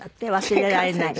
忘れられない。